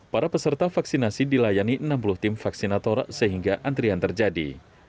para peserta vaksinasi dilayani enam puluh tim vaksinator sehingga antrian terjadi